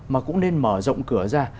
mà cũng nên mở rộng cửa ra